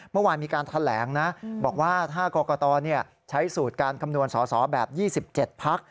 เมื่อวานมีการแถลงนะบอกว่าถ้ากรกตใช้สูตรการคำนวณสอสอแบบ๒๗พัก